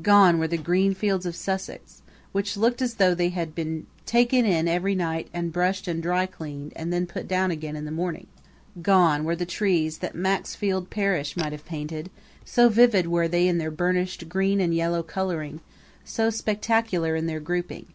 Gone were the green fields of Sussex, which looked as though they had been taken in every night and brushed and dry cleaned and then put down again in the morning. Gone were the trees that Maxfield Parrish might have painted, so vivid were they in their burnished green and yellow coloring, so spectacular in their grouping.